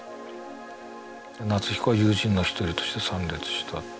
「夏彦は友人の一人として参列した。